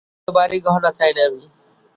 এত ভারী গহণা চাই না আমি।